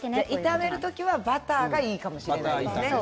炒める時はバターがいいかもしれないですね。